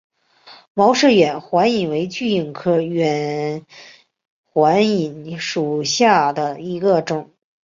毛氏远环蚓为巨蚓科远环蚓属下的一个种。